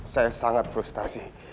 saya sangat frustasi